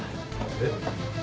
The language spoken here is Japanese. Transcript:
えっ？